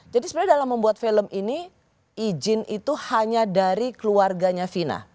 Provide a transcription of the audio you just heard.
jadi sebenarnya dalam membuat film ini izin itu hanya dari keluarganya wina